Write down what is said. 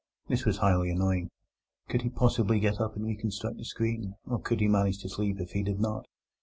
This was highly annoying. Could he possibly get up and reconstruct the screen? or could he manage to sleep if he did not?